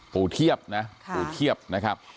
ปู่เทียบนะปู่เทียบนะครับ